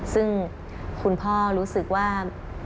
ซึ่งคุณพ่อรู้สึกว่า